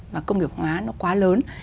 và công nghiệp hóa nó quá lớn